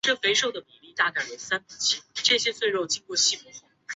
许世英人。